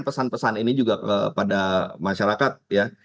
pesan pesan ini juga kepada masyarakat ya